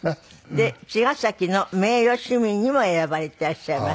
で茅ヶ崎の名誉市民にも選ばれていらっしゃいます。